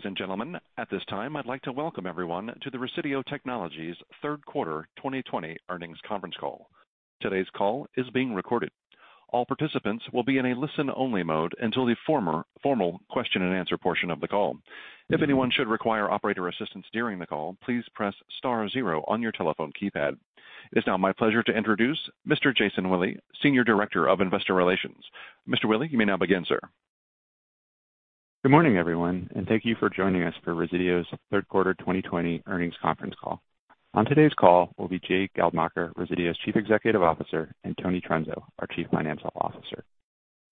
Ladies and gentlemen, at this time, I'd like to welcome everyone to the Resideo Technologies third quarter 2020 earnings conference call. Today's call is being recorded. All participants will be in a listen-only mode until the formal question and answer portion of the call. If anyone should require operator assistance during the call, please press star zero on your telephone keypad. It's now my pleasure to introduce Mr. Jason Willey, Senior Director of Investor Relations. Mr. Willey, you may now begin, sir. Good morning, everyone, thank you for joining us for Resideo's third quarter 2020 earnings conference call. On today's call will be Jay Geldmacher, Resideo's Chief Executive Officer, and Tony Trunzo, our Chief Financial Officer.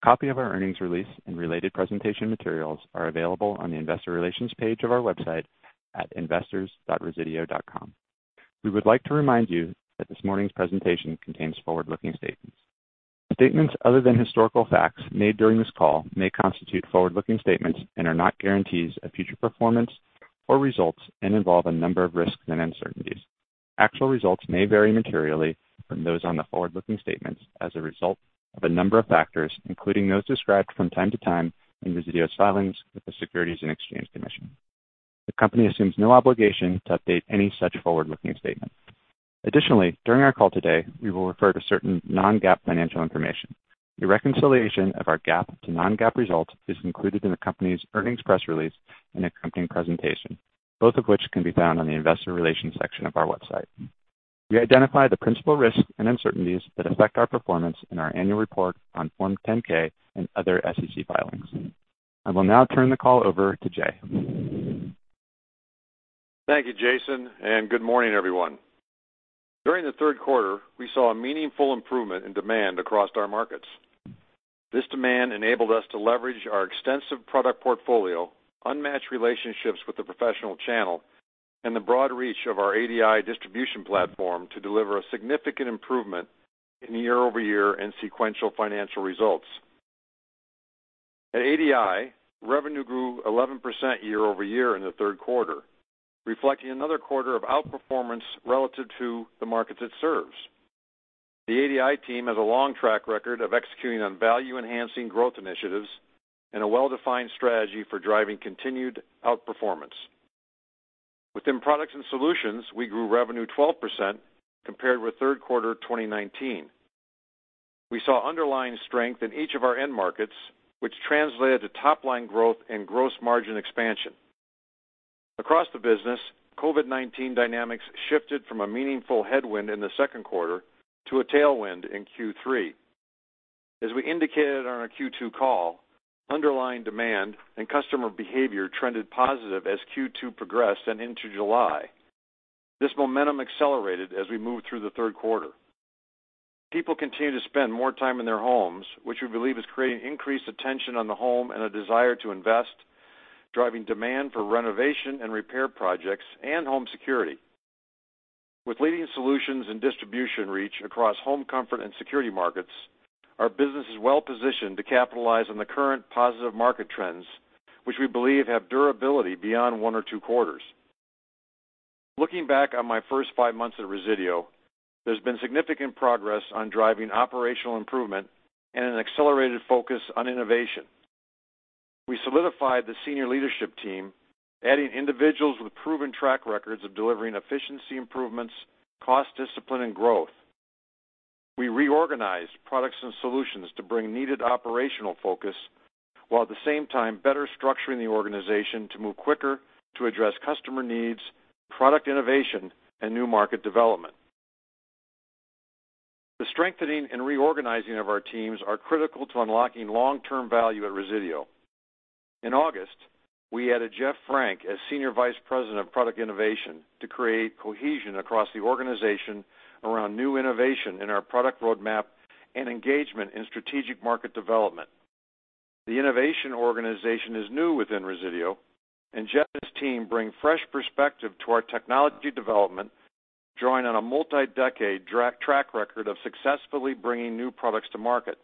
A copy of our earnings release and related presentation materials are available on the Investor Relations page of our website at investors.resideo.com. We would like to remind you that this morning's presentation contains forward-looking statements. Statements other than historical facts made during this call may constitute forward-looking statements and are not guarantees of future performance or results and involve a number of risks and uncertainties. Actual results may vary materially from those on the forward-looking statements as a result of a number of factors, including those described from time to time in Resideo's filings with the Securities and Exchange Commission. The company assumes no obligation to update any such forward-looking statement. Additionally, during our call today, we will refer to certain non-GAAP financial information. A reconciliation of our GAAP to non-GAAP results is included in the company's earnings press release and accompanying presentation, both of which can be found on the investor relations section of our website. We identify the principal risks and uncertainties that affect our performance in our annual report on Form 10-K and other SEC filings. I will now turn the call over to Jay. Thank you, Jason, and good morning, everyone. During the third quarter, we saw a meaningful improvement in demand across our markets. This demand enabled us to leverage our extensive product portfolio, unmatched relationships with the professional channel, and the broad reach of our ADI distribution platform to deliver a significant improvement in year-over-year and sequential financial results. At ADI, revenue grew 11% year-over-year in the third quarter, reflecting another quarter of outperformance relative to the markets it serves. The ADI team has a long track record of executing on value-enhancing growth initiatives and a well-defined strategy for driving continued outperformance. Within Products & Solutions, we grew revenue 12% compared with third quarter 2019. We saw underlying strength in each of our end markets, which translated to top-line growth and gross margin expansion. Across the business, COVID-19 dynamics shifted from a meaningful headwind in the second quarter to a tailwind in Q3. As we indicated on our Q2 call, underlying demand and customer behavior trended positive as Q2 progressed and into July. This momentum accelerated as we moved through the third quarter. People continue to spend more time in their homes, which we believe is creating increased attention on the home and a desire to invest, driving demand for renovation and repair projects and home security. With leading solutions and distribution reach across home comfort and security markets, our business is well positioned to capitalize on the current positive market trends, which we believe have durability beyond one or two quarters. Looking back on my first five months at Resideo, there's been significant progress on driving operational improvement and an accelerated focus on innovation. We solidified the senior leadership team, adding individuals with proven track records of delivering efficiency improvements, cost discipline, and growth. We reorganized Products & Solutions to bring needed operational focus while at the same time better structuring the organization to move quicker to address customer needs, product innovation, and new market development. The strengthening and reorganizing of our teams are critical to unlocking long-term value at Resideo. In August, we added Jeff Frank as Senior Vice President of Product Innovation to create cohesion across the organization around new innovation in our product roadmap and engagement in strategic market development. The innovation organization is new within Resideo, and Jeff and his team bring fresh perspective to our technology development, drawing on a multi-decade track record of successfully bringing new products to market.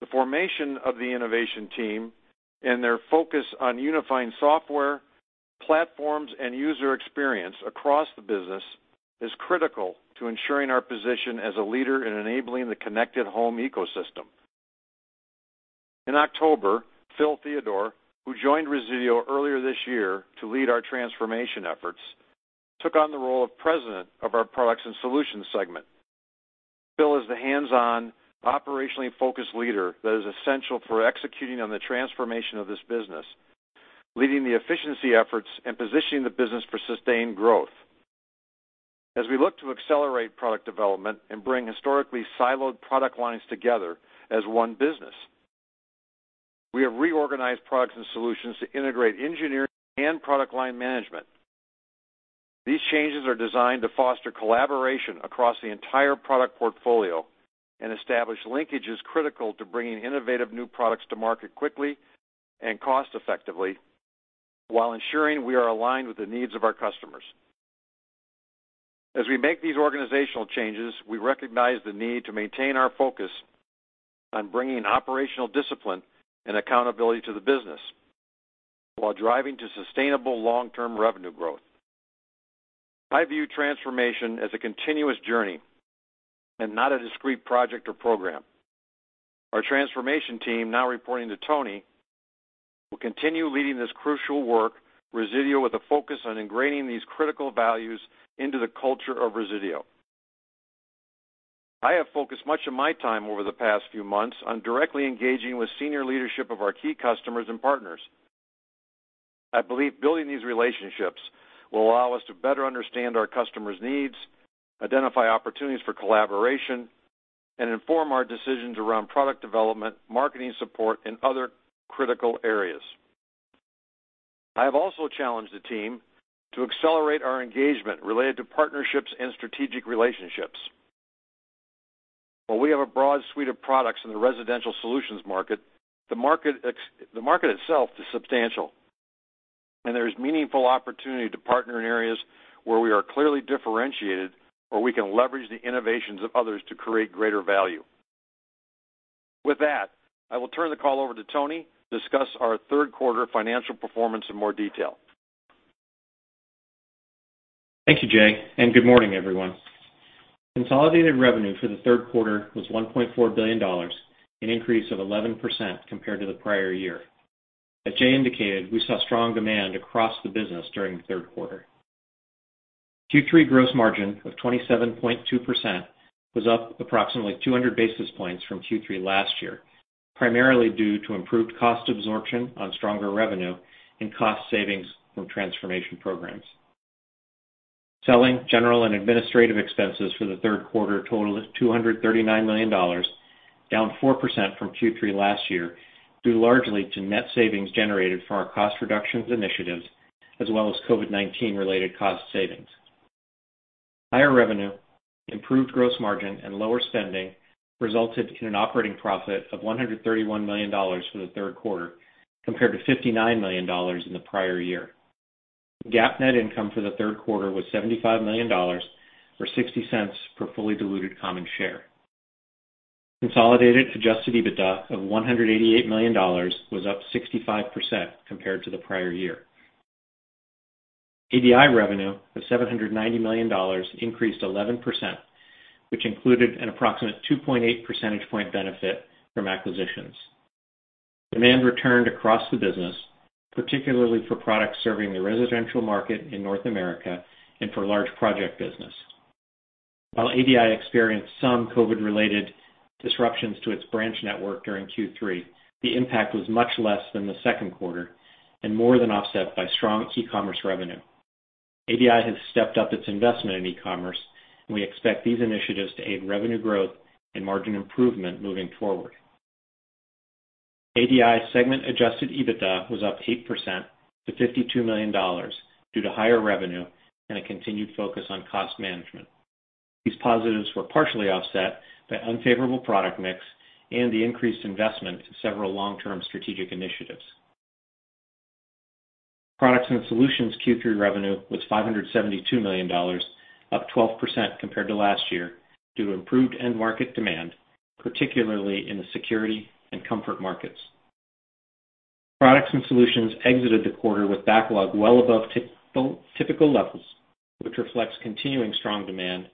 The formation of the innovation team and their focus on unifying software, platforms, and user experience across the business is critical to ensuring our position as a leader in enabling the connected home ecosystem. In October, Phil Theodore, who joined Resideo earlier this year to lead our transformation efforts, took on the role of President of our Products & Solutions segment. Phil is the hands-on, operationally focused leader that is essential for executing on the transformation of this business, leading the efficiency efforts, and positioning the business for sustained growth. As we look to accelerate product development and bring historically siloed product lines together as one business, we have reorganized Products & Solutions to integrate engineering and product line management. These changes are designed to foster collaboration across the entire product portfolio and establish linkages critical to bringing innovative new products to market quickly and cost-effectively while ensuring we are aligned with the needs of our customers. As we make these organizational changes, we recognize the need to maintain our focus on bringing operational discipline and accountability to the business while driving to sustainable long-term revenue growth. I view transformation as a continuous journey and not a discrete project or program. Our transformation team, now reporting to Tony, will continue leading this crucial work, Resideo with a focus on ingraining these critical values into the culture of Resideo. I have focused much of my time over the past few months on directly engaging with senior leadership of our key customers and partners. I believe building these relationships will allow us to better understand our customers' needs, identify opportunities for collaboration, and inform our decisions around product development, marketing support, and other critical areas. I have also challenged the team to accelerate our engagement related to partnerships and strategic relationships. While we have a broad suite of products in the residential solutions market, the market itself is substantial, and there is meaningful opportunity to partner in areas where we are clearly differentiated, or we can leverage the innovations of others to create greater value. With that, I will turn the call over to Tony to discuss our third quarter financial performance in more detail. Thank you, Jay. Good morning, everyone. Consolidated revenue for the third quarter was $1.4 billion, an increase of 11% compared to the prior year. As Jay indicated, we saw strong demand across the business during the third quarter. Q3 gross margin of 27.2% was up approximately 200 basis points from Q3 last year, primarily due to improved cost absorption on stronger revenue and cost savings from transformation programs. Selling, general, and administrative expenses for the third quarter totaled $239 million, down 4% from Q3 last year, due largely to net savings generated for our cost reductions initiatives as well as COVID-19 related cost savings. Higher revenue, improved gross margin, and lower spending resulted in an operating profit of $131 million for the third quarter, compared to $59 million in the prior year. GAAP net income for the third quarter was $75 million, or $0.60 per fully diluted common share. Consolidated adjusted EBITDA of $188 million was up 65% compared to the prior year. ADI revenue of $790 million increased 11%, which included an approximate 2.8 percentage point benefit from acquisitions. Demand returned across the business, particularly for products serving the residential market in North America and for large project business. While ADI experienced some COVID-related disruptions to its branch network during Q3, the impact was much less than the second quarter and more than offset by strong e-commerce revenue. ADI has stepped up its investment in e-commerce, and we expect these initiatives to aid revenue growth and margin improvement moving forward. ADI segment adjusted EBITDA was up 8% to $52 million due to higher revenue and a continued focus on cost management. These positives were partially offset by unfavorable product mix and the increased investment in several long-term strategic initiatives. Products & Solutions Q3 revenue was $572 million, up 12% compared to last year due to improved end-market demand, particularly in the security and comfort markets. Products & Solutions exited the quarter with backlog well above typical levels, which reflects continuing strong demand,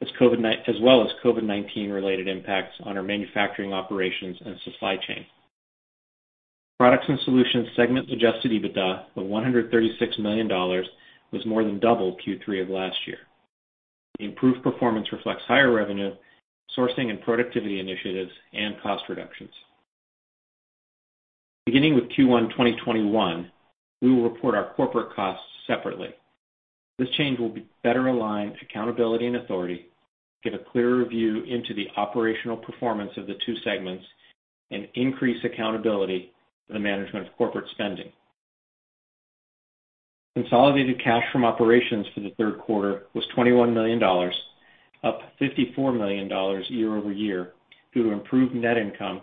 as well as COVID-19 related impacts on our manufacturing operations and supply chain. Products & Solutions segment adjusted EBITDA of $136 million was more than double Q3 of last year. The improved performance reflects higher revenue, sourcing and productivity initiatives, and cost reductions. Beginning with Q1 2021, we will report our corporate costs separately. This change will better align accountability and authority, give a clearer view into the operational performance of the two segments, and increase accountability for the management of corporate spending. Consolidated cash from operations for the third quarter was $21 million, up $54 million year-over-year due to improved net income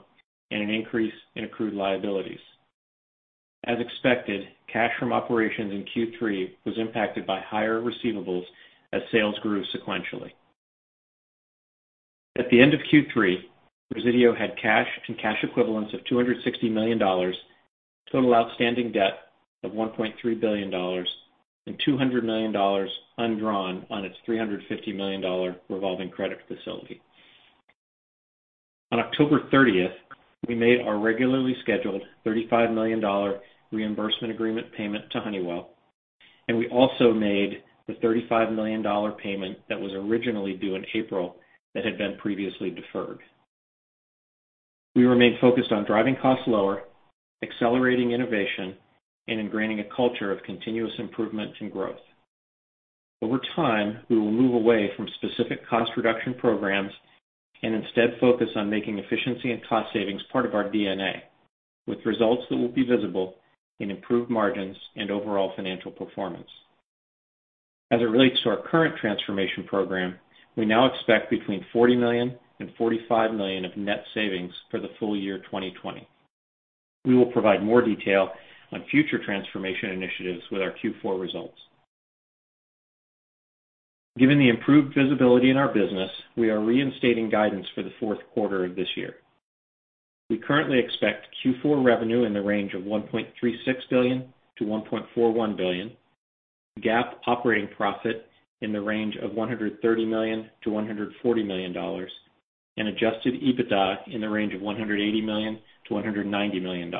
and an increase in accrued liabilities. As expected, cash from operations in Q3 was impacted by higher receivables as sales grew sequentially. At the end of Q3, Resideo had cash and cash equivalents of $260 million, total outstanding debt of $1.3 billion, and $200 million undrawn on its $350 million revolving credit facility. On October 30th, we made our regularly scheduled $35 million reimbursement agreement payment to Honeywell, and we also made the $35 million payment that was originally due in April that had been previously deferred. We remain focused on driving costs lower, accelerating innovation, and ingraining a culture of continuous improvement and growth. Over time, we will move away from specific cost reduction programs and instead focus on making efficiency and cost savings part of our DNA, with results that will be visible in improved margins and overall financial performance. As it relates to our current transformation program, we now expect between $40 million and $45 million of net savings for the full-year 2020. We will provide more detail on future transformation initiatives with our Q4 results. Given the improved visibility in our business, we are reinstating guidance for the fourth quarter of this year. We currently expect Q4 revenue in the range of $1.36 billion-$1.41 billion, GAAP operating profit in the range of $130 million-$140 million, and adjusted EBITDA in the range of $180 million-$190 million.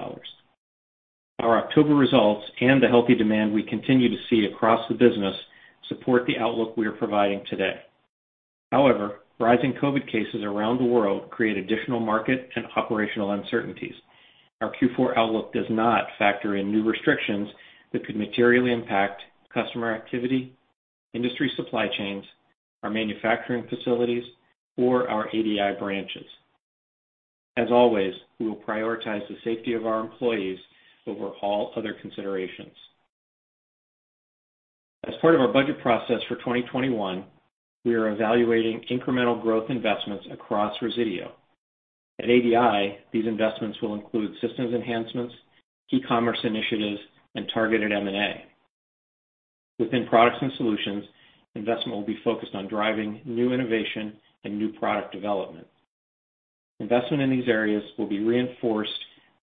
Our October results and the healthy demand we continue to see across the business support the outlook we are providing today. Rising COVID-19 cases around the world create additional market and operational uncertainties. Our Q4 outlook does not factor in new restrictions that could materially impact customer activity, industry supply chains, our manufacturing facilities, or our ADI branches. As always, we will prioritize the safety of our employees over all other considerations. As part of our budget process for 2021, we are evaluating incremental growth investments across Resideo. At ADI, these investments will include systems enhancements, e-commerce initiatives, and targeted M&A. Within Products & Solutions, investment will be focused on driving new innovation and new product development. Investment in these areas will be reinforced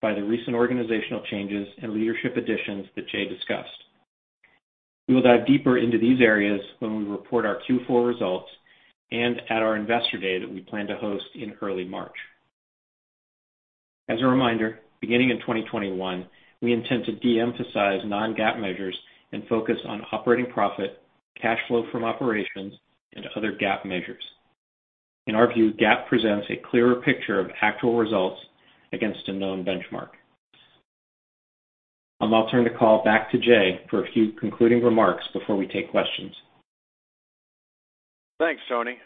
by the recent organizational changes and leadership additions that Jay discussed. We will dive deeper into these areas when we report our Q4 results and at our Investor Day that we plan to host in early March. As a reminder, beginning in 2021, we intend to de-emphasize non-GAAP measures and focus on operating profit, cash flow from operations, and other GAAP measures. In our view, GAAP presents a clearer picture of actual results against a known benchmark. I'll now turn the call back to Jay for a few concluding remarks before we take questions. Thanks, Tony.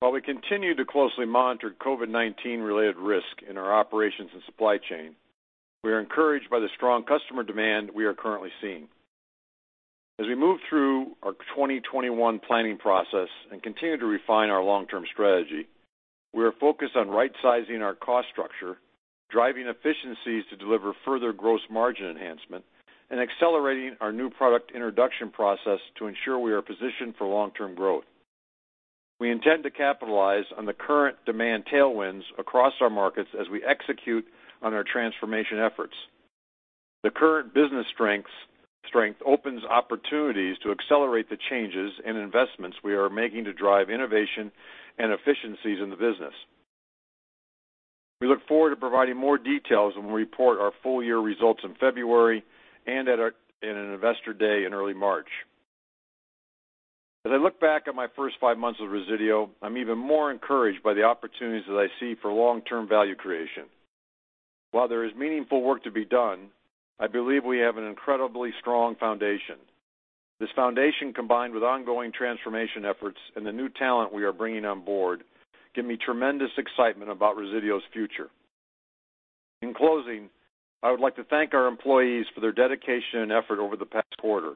While we continue to closely monitor COVID-19 related risk in our operations and supply chain, we are encouraged by the strong customer demand we are currently seeing. As we move through our 2021 planning process and continue to refine our long-term strategy, we are focused on right-sizing our cost structure, driving efficiencies to deliver further gross margin enhancement, and accelerating our new product introduction process to ensure we are positioned for long-term growth. We intend to capitalize on the current demand tailwinds across our markets as we execute on our transformation efforts. The current business strength opens opportunities to accelerate the changes and investments we are making to drive innovation and efficiencies in the business. We look forward to providing more details when we report our full-year results in February and at our Investor Day in early March. As I look back at my first five months with Resideo, I'm even more encouraged by the opportunities that I see for long-term value creation. While there is meaningful work to be done, I believe we have an incredibly strong foundation. This foundation, combined with ongoing transformation efforts and the new talent we are bringing on board, give me tremendous excitement about Resideo's future. In closing, I would like to thank our employees for their dedication and effort over the past quarter.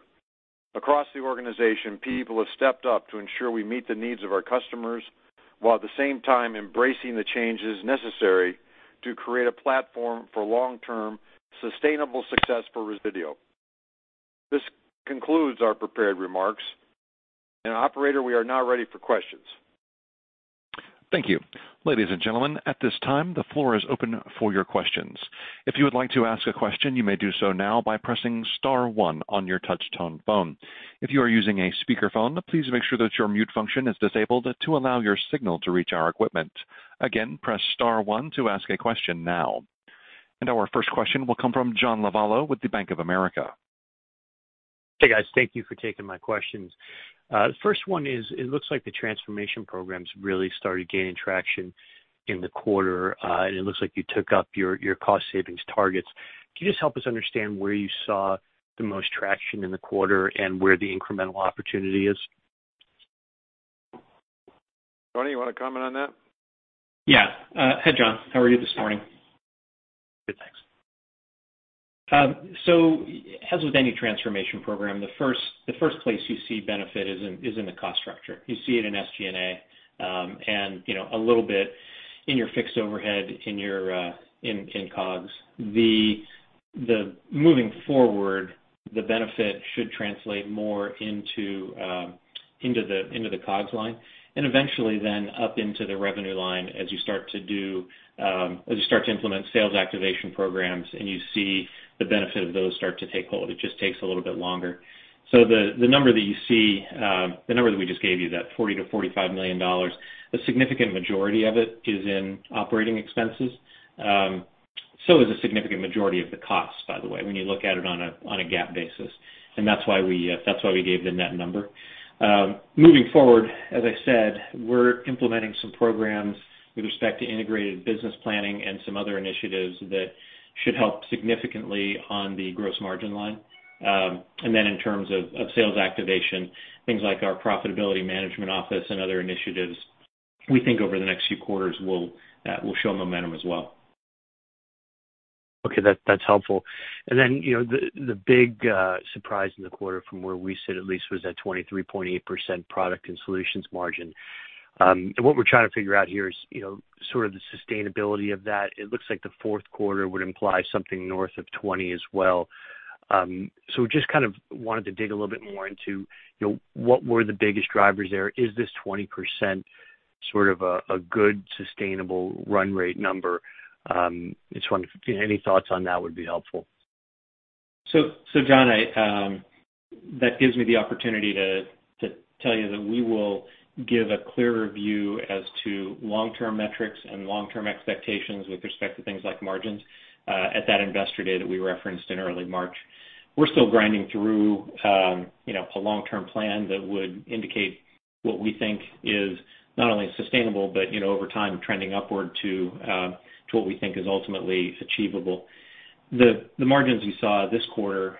Across the organization, people have stepped up to ensure we meet the needs of our customers, while at the same time embracing the changes necessary to create a platform for long-term sustainable success for Resideo. This concludes our prepared remarks. Operator, we are now ready for questions. Thank you. Ladies and gentlemen, at this time, the floor is open for your questions. If you would like to ask a question, you may do so now by pressing star one on your touch-tone phone. If you are using a speakerphone, please make sure that your mute function is disabled to allow your signal to reach our equipment. Again, press star one to ask a question now. Our first question will come from John Lovallo with the Bank of America. Hey, guys. Thank you for taking my questions. First one is, it looks like the transformation programs really started gaining traction in the quarter, and it looks like you took up your cost savings targets. Can you just help us understand where you saw the most traction in the quarter and where the incremental opportunity is? Tony, you want to comment on that? Yeah. Hi, John. How are you this morning? Good, thanks. As with any transformation program, the first place you see benefit is in the cost structure. You see it in SG&A, and a little bit in your fixed overhead in COGS. Moving forward, the benefit should translate more into the COGS line, and eventually then up into the revenue line as you start to implement sales activation programs and you see the benefit of those start to take hold. It just takes a little bit longer. The number that you see, the number that we just gave you, that $40 million-$45 million, a significant majority of it is in operating expenses. Is a significant majority of the cost, by the way, when you look at it on a GAAP basis, and that's why we gave the net number. Moving forward, as I said, we're implementing some programs with respect to integrated business planning and some other initiatives that should help significantly on the gross margin line. In terms of sales activation, things like our profitability management office and other initiatives, we think over the next few quarters will show momentum as well. Okay. That's helpful. Then, the big surprise in the quarter from where we sit at least was that 23.8% Products & Solutions margin. What we're trying to figure out here is sort of the sustainability of that. It looks like the fourth quarter would imply something north of 20% as well. Just kind of wanted to dig a little bit more into what were the biggest drivers there? Is this 20% sort of a good sustainable run rate number? Any thoughts on that would be helpful. John, that gives me the opportunity to tell you that we will give a clearer view as to long-term metrics and long-term expectations with respect to things like margins at that Investor Day that we referenced in early March. We're still grinding through a long-term plan that would indicate what we think is not only sustainable but over time trending upward to what we think is ultimately achievable. The margins you saw this quarter,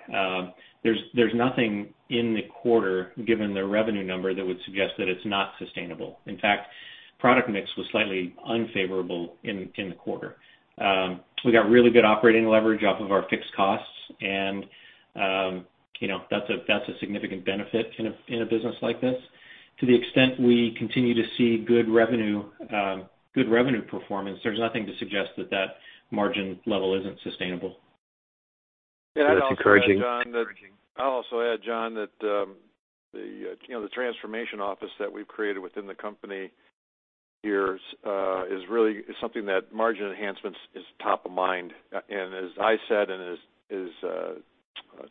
there's nothing in the quarter, given the revenue number, that would suggest that it's not sustainable. In fact, product mix was slightly unfavorable in the quarter. We got really good operating leverage off of our fixed costs, and that's a significant benefit in a business like this. To the extent we continue to see good revenue performance, there's nothing to suggest that margin level isn't sustainable. That's encouraging. I'll also add, John, that the transformation office that we've created within the company here is really something that margin enhancements is top of mind. As I said, and as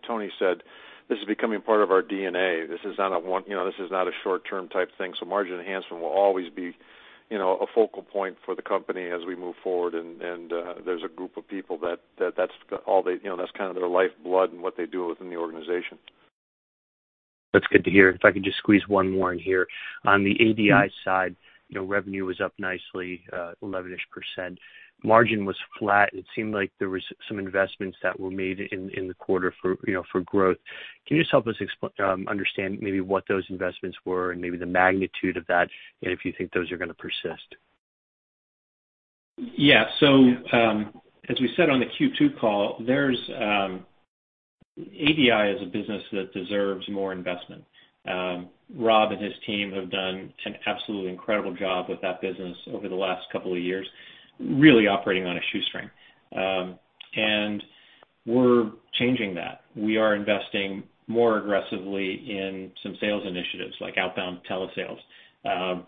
Tony said, this is becoming part of our DNA. This is not a short-term type thing. Margin enhancement will always be a focal point for the company as we move forward. There's a group of people that that's kind of their lifeblood and what they do within the organization. That's good to hear. If I could just squeeze one more in here. On the ADI side, revenue was up nicely, 11%-ish. Margin was flat. It seemed like there was some investments that were made in the quarter for growth. Can you just help us understand maybe what those investments were and maybe the magnitude of that, and if you think those are going to persist? As we said on the Q2 call, ADI is a business that deserves more investment. Rob and his team have done an absolutely incredible job with that business over the last couple of years, really operating on a shoestring. We're changing that. We are investing more aggressively in some sales initiatives like outbound telesales.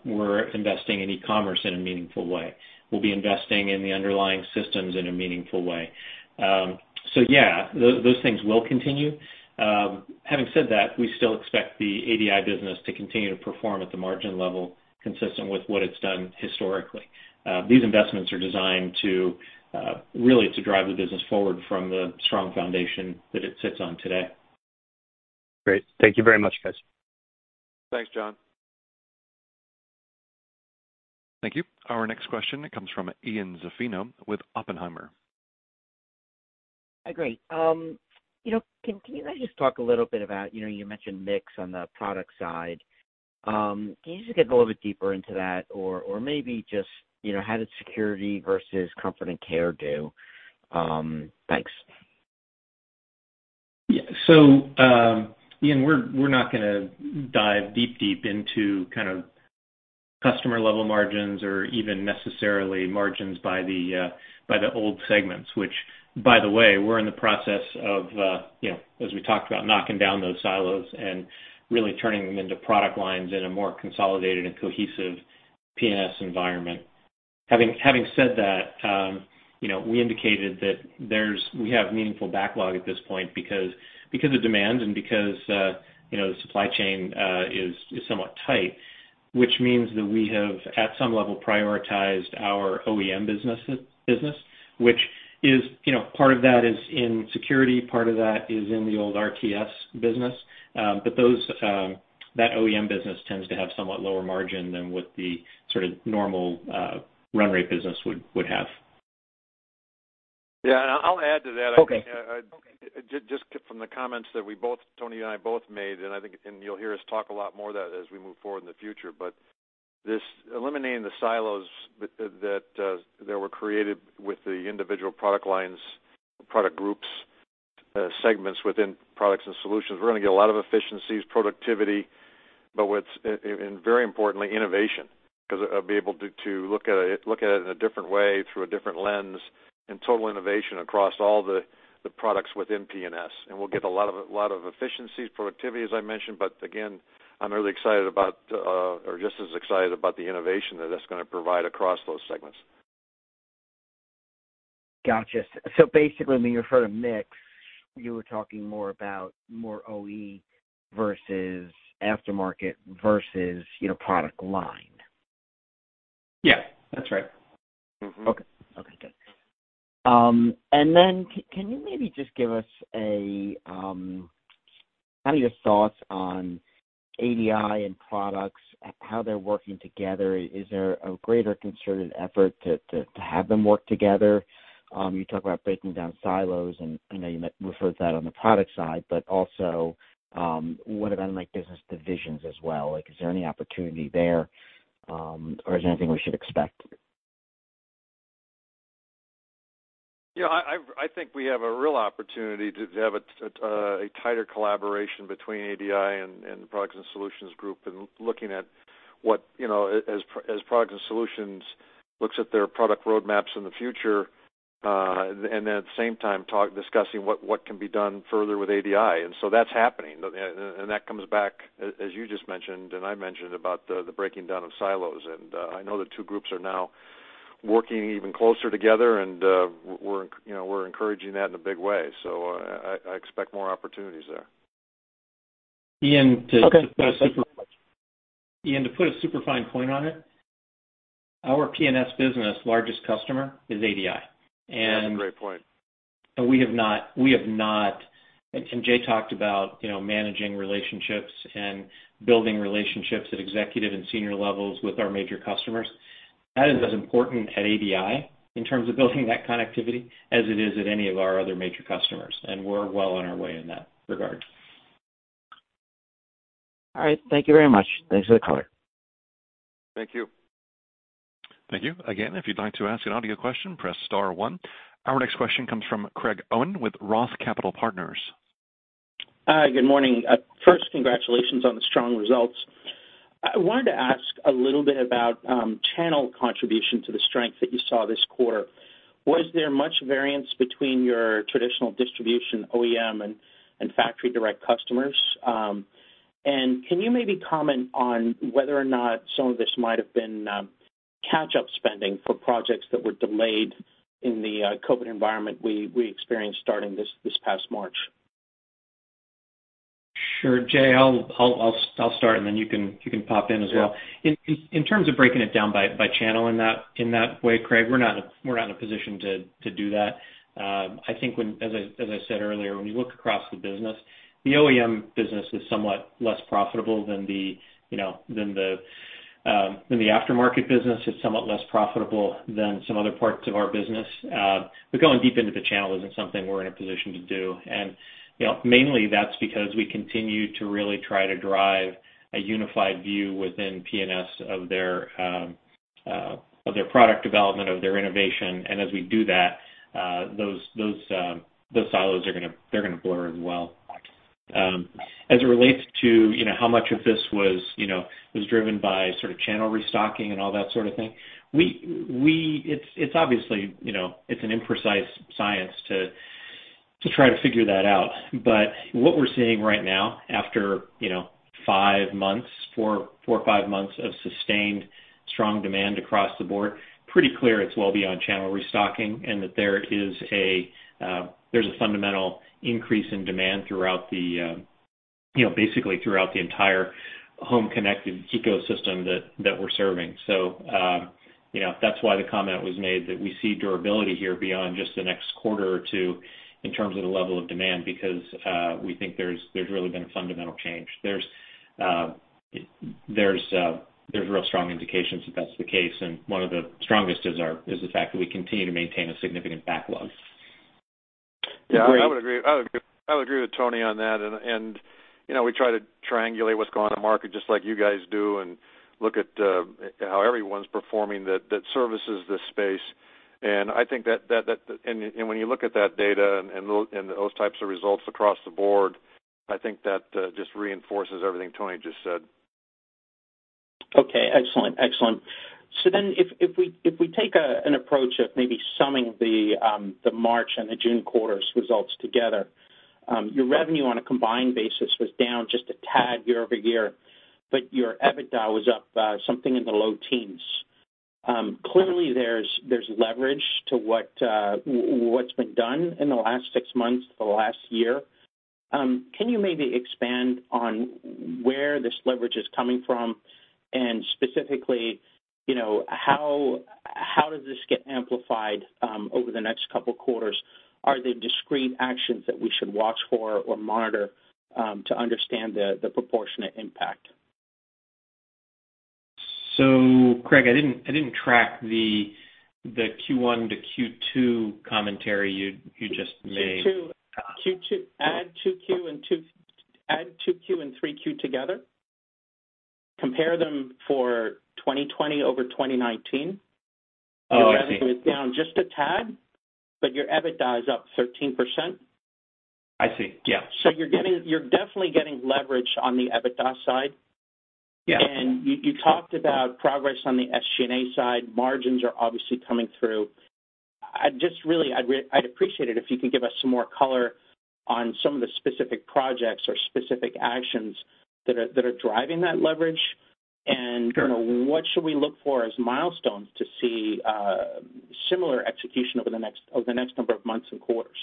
We're investing in e-commerce in a meaningful way. We'll be investing in the underlying systems in a meaningful way. Yeah, those things will continue. Having said that, we still expect the ADI business to continue to perform at the margin level consistent with what it's done historically. These investments are designed to really drive the business forward from the strong foundation that it sits on today. Great. Thank you very much, guys. Thanks, John. Thank you. Our next question comes from Ian Zaffino with Oppenheimer. Great. Can you just talk a little bit about, you mentioned mix on the product side. Can you just get a little bit deeper into that or maybe just how did security versus comfort and care do? Thanks. Yeah. Ian, we're not going to dive deep into kind of customer-level margins or even necessarily margins by the old segments, which, by the way, we're in the process of, as we talked about, knocking down those silos and really turning them into product lines in a more consolidated and cohesive P&S environment. Having said that, we indicated that we have meaningful backlog at this point because of demand and because the supply chain is somewhat tight, which means that we have, at some level, prioritized our OEM business, which part of that is in security, part of that is in the old RTS business. That OEM business tends to have somewhat lower margin than what the sort of normal run rate business would have. Yeah, and I'll add to that. Okay. Just from the comments that Tony and I both made. I think you'll hear us talk a lot more about that as we move forward in the future. This eliminating the silos that were created with the individual product lines, product groups, segments within Products & Solutions, we're going to get a lot of efficiencies, productivity, and very importantly, innovation, because I'll be able to look at it in a different way through a different lens and total innovation across all the products within P&S. We'll get a lot of efficiencies, productivity, as I mentioned. Again, I'm really excited about, or just as excited about the innovation that's going to provide across those segments. Got you. Basically, when you refer to mix, you were talking more about more OE versus aftermarket versus product line. Yeah, that's right. Okay, good. Can you maybe just give us kind of your thoughts on ADI and products, how they're working together? Is there a greater concerted effort to have them work together? You talk about breaking down silos, and I know you referred to that on the product side, but also what about like business divisions as well? Is there any opportunity there? Is there anything we should expect? Yeah, I think we have a real opportunity to have a tighter collaboration between ADI and the Products & Solutions group and looking at what, as Products & Solutions looks at their product roadmaps in the future, and then at the same time, discussing what can be done further with ADI. That's happening, and that comes back, as you just mentioned and I mentioned, about the breaking down of silos. I know the two groups are now working even closer together, and we're encouraging that in a big way. I expect more opportunities there. Ian- Okay. Thank you very much. Ian, to put a super fine point on it, our P&S business largest customer is ADI. That's a great point. We have not, and Jay talked about managing relationships and building relationships at executive and senior levels with our major customers. That is as important at ADI in terms of building that connectivity as it is at any of our other major customers. We're well on our way in that regard. All right. Thank you very much. Thanks for the color. Thank you. Thank you. Again, if you'd like to ask an audio question, press star one. Our next question comes from Craig Irwin with ROTH Capital Partners. Hi, good morning. First, congratulations on the strong results. I wanted to ask a little bit about channel contribution to the strength that you saw this quarter. Was there much variance between your traditional distribution OEM and factory direct customers? Can you maybe comment on whether or not some of this might have been catch-up spending for projects that were delayed in the COVID-19 environment we experienced starting this past March? Sure. Jay, I'll start and then you can pop in as well. Yeah. In terms of breaking it down by channel in that way, Craig, we're not in a position to do that. I think as I said earlier, when you look across the business, the OEM business is somewhat less profitable than the aftermarket business. It's somewhat less profitable than some other parts of our business. Going deep into the channel isn't something we're in a position to do. Mainly that's because we continue to really try to drive a unified view within P&S of their product development, of their innovation. As we do that, those silos, they're going to blur as well. As it relates to how much of this was driven by channel restocking and all that sort of thing, it's an imprecise science to try to figure that out. What we're seeing right now, after four or five months of sustained strong demand across the board, pretty clear it's well beyond channel restocking and that there's a fundamental increase in demand basically throughout the entire home connected ecosystem that we're serving. That's why the comment was made that we see durability here beyond just the next quarter or two in terms of the level of demand because we think there's really been a fundamental change. There's real strong indications that that's the case, and one of the strongest is the fact that we continue to maintain a significant backlog. Yeah, I would agree with Tony on that. We try to triangulate what's going on in the market just like you guys do and look at how everyone's performing that services this space. When you look at that data and those types of results across the board, I think that just reinforces everything Tony just said. Okay. Excellent. If we take an approach of maybe summing the March and the June quarters results together, your revenue on a combined basis was down just a tad year-over-year, but your EBITDA was up something in the low teens. Clearly there's leverage to what's been done in the last six months to the last year. Can you maybe expand on where this leverage is coming from? Specifically, how does this get amplified over the next couple quarters? Are they discrete actions that we should watch for or monitor to understand the proportionate impact? Craig, I didn't track the Q1 to Q2 commentary you just made. Q2. Add 2Q and 3Q together. Compare them for 2020 over 2019. Oh, I see. Your revenue is down just a tad, but your EBITDA is up 13%. I see. Yeah. You're definitely getting leverage on the EBITDA side. Yeah. You talked about progress on the SG&A side. Margins are obviously coming through. I'd appreciate it if you could give us some more color on some of the specific projects or specific actions that are driving that leverage. Sure. What should we look for as milestones to see similar execution over the next number of months and quarters?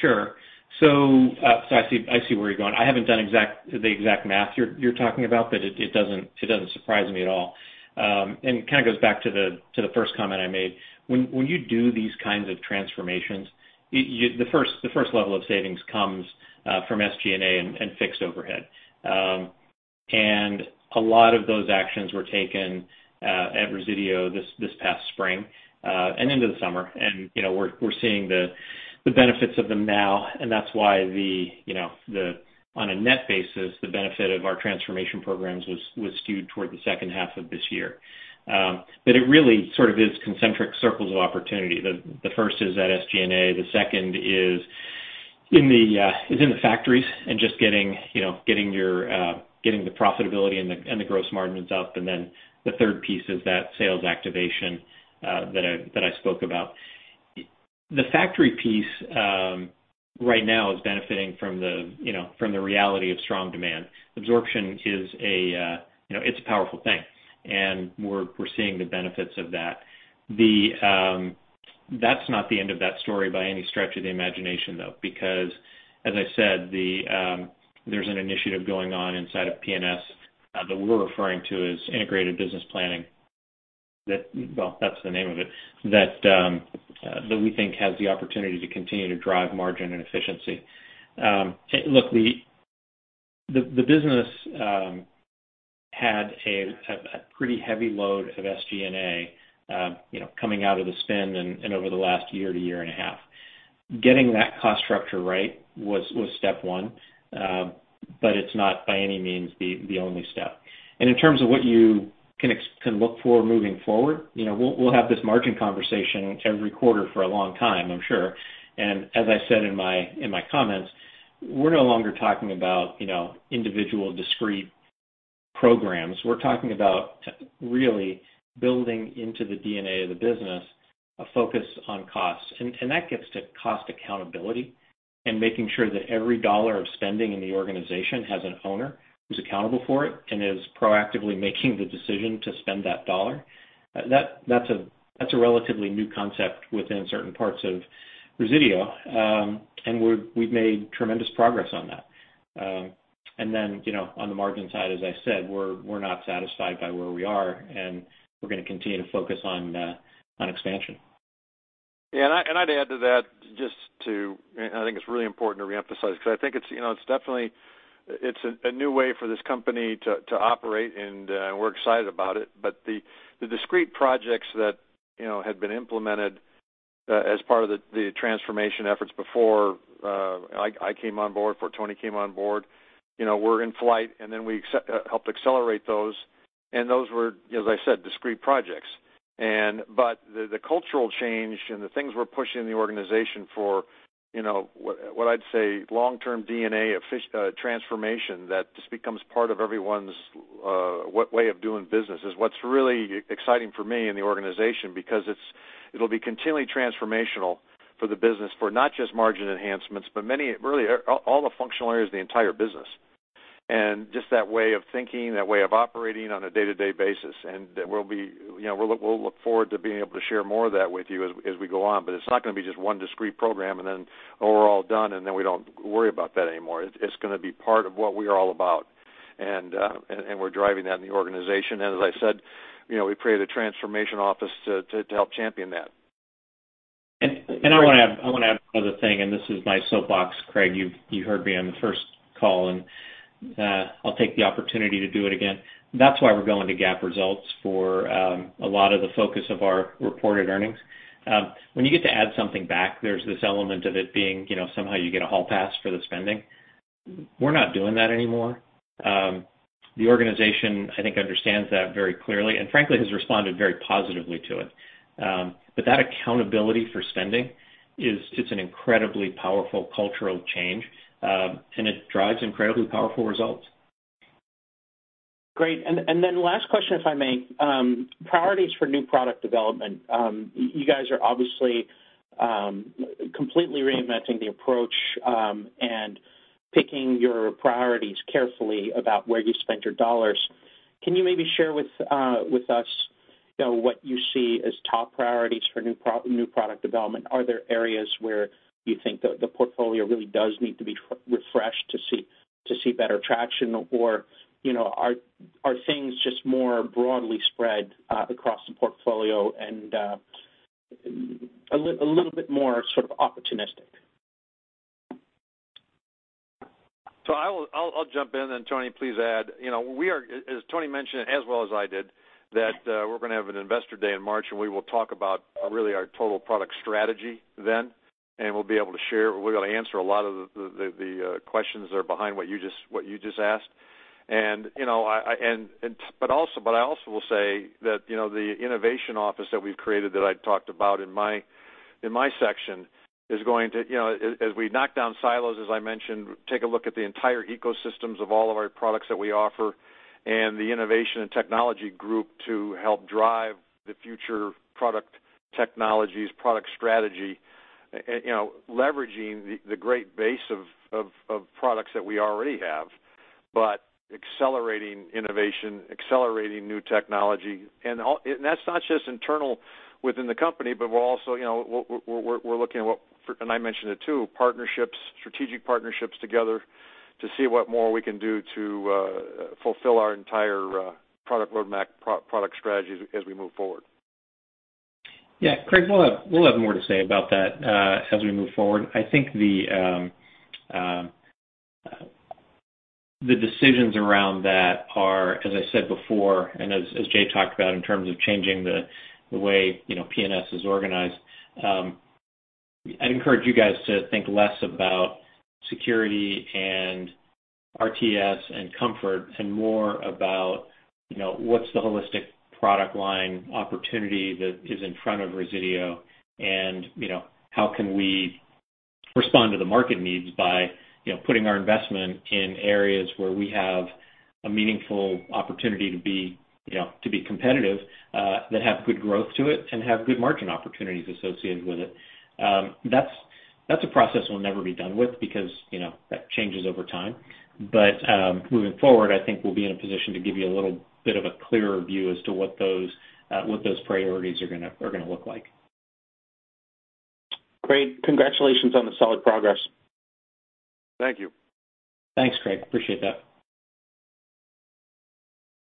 Sure. I see where you're going. I haven't done the exact math you're talking about, but it doesn't surprise me at all. It kind of goes back to the first comment I made. When you do these kinds of transformations, the first level of savings comes from SG&A and fixed overhead. A lot of those actions were taken at Resideo this past spring and into the summer. And we're seeing the benefits of them now, and that's why on a net basis, the benefit of our transformation programs was skewed toward the second half of this year. It really sort of is concentric circles of opportunity. The first is at SG&A, the second is in the factories and just getting the profitability and the gross margins up. Then the third piece is that sales activation that I spoke about. The factory piece right now is benefiting from the reality of strong demand. Absorption, it's a powerful thing, and we're seeing the benefits of that. That's not the end of that story by any stretch of the imagination, though, because, as I said, there's an initiative going on inside of P&S that we're referring to as Integrated Business Planning, well, that's the name of it, that we think has the opportunity to continue to drive margin and efficiency. Look, the business had a pretty heavy load of SG&A coming out of the spin and over the last year to year and a half. It's not, by any means, the only step. In terms of what you can look for moving forward, we'll have this margin conversation every quarter for a long time, I'm sure. As I said in my comments, we're no longer talking about individual discrete programs. We're talking about really building into the DNA of the business a focus on costs. That gets to cost accountability and making sure that every dollar of spending in the organization has an owner who's accountable for it and is proactively making the decision to spend that dollar. That's a relatively new concept within certain parts of Resideo. We've made tremendous progress on that. Then, on the margin side, as I said, we're not satisfied by where we are, and we're going to continue to focus on expansion. Yeah, I'd add to that, I think it's really important to reemphasize because I think it's a new way for this company to operate, and we're excited about it. The discrete projects that had been implemented as part of the transformation efforts before I came on board, before Tony came on board, were in flight, and then we helped accelerate those. Those were, as I said, discrete projects. The cultural change and the things we're pushing the organization for, what I'd say, long-term DNA transformation that just becomes part of everyone's way of doing business is what's really exciting for me in the organization because it'll be continually transformational for the business for not just margin enhancements, but really all the functional areas of the entire business, and just that way of thinking, that way of operating on a day-to-day basis. We'll look forward to being able to share more of that with you as we go on. It's not going to be just one discrete program and then, "Oh, we're all done," and then we don't worry about that anymore. It's going to be part of what we are all about. We're driving that in the organization. As I said, we've created a transformation office to help champion that. I want to add another thing, and this is my soapbox, Craig. You've heard me on the first call, and I'll take the opportunity to do it again. That's why we're going to GAAP results for a lot of the focus of our reported earnings. When you get to add something back, there's this element of it being, somehow you get a hall pass for the spending. We're not doing that anymore. The organization, I think, understands that very clearly, and frankly, has responded very positively to it. That accountability for spending is just an incredibly powerful cultural change. It drives incredibly powerful results. Great. Last question, if I may. Priorities for new product development. You guys are obviously completely reinventing the approach and picking your priorities carefully about where you spend your dollars. Can you maybe share with us what you see as top priorities for new product development? Are there areas where you think the portfolio really does need to be refreshed to see better traction? Are things just more broadly spread across the portfolio and a little bit more sort of opportunistic? I'll jump in, and Tony, please add. As Tony mentioned, as well as I did, that we're going to have an Investor Day in March, and we will talk about really our total product strategy then, and we'll be able to share, we're going to answer a lot of the questions that are behind what you just asked. I also will say that the innovation office that we've created that I talked about in my section is going to, as we knock down silos, as I mentioned, take a look at the entire ecosystems of all of our products that we offer and the innovation and technology group to help drive the future product technologies, product strategy, leveraging the great base of products that we already have. Accelerating innovation, accelerating new technology, and that's not just internal within the company, but we're looking at what, and I mentioned it too, strategic partnerships together to see what more we can do to fulfill our entire product roadmap, product strategy as we move forward. Yeah. Craig, we'll have more to say about that as we move forward. I think the decisions around that are, as I said before, and as Jay talked about in terms of changing the way P&S is organized, I'd encourage you guys to think less about security and RTS and comfort and more about what's the holistic product line opportunity that is in front of Resideo, and how can we respond to the market needs by putting our investment in areas where we have a meaningful opportunity to be competitive, that have good growth to it, and have good margin opportunities associated with it. That's a process we'll never be done with because that changes over time. Moving forward, I think we'll be in a position to give you a little bit of a clearer view as to what those priorities are going to look like. Great. Congratulations on the solid progress. Thank you. Thanks, Craig. Appreciate that.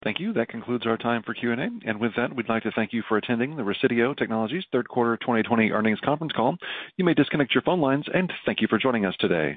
Thank you. That concludes our time for Q&A. With that, we'd like to thank you for attending the Resideo Technologies third quarter 2020 earnings conference call. You may disconnect your phone lines. Thank you for joining us today.